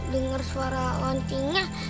denger suara oncingnya